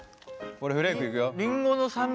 俺フレークいくよ。